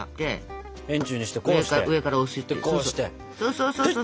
そうそうそう。